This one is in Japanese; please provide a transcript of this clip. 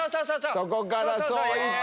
そこからそう行って。